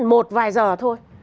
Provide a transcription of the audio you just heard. một vài giờ thôi